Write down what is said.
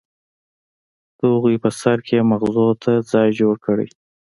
د اغوئ په سر کې يې ماغزو ته ځای جوړ کړی.